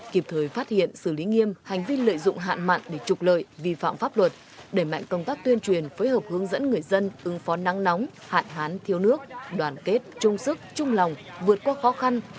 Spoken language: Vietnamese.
kịp thời phát hiện xử lý nghiêm hành vi lợi dụng hạn mặn để trục lợi vi phạm pháp luật đẩy mạnh công tác tuyên truyền phối hợp hướng dẫn người dân ứng phó nắng nóng hạn hán thiếu nước đoàn kết trung sức trung lòng vượt qua khó khăn